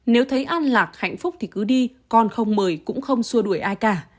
nếu thấy an lạc hạnh phúc thì cứ đi con không mời cũng không xua đuổi ai cả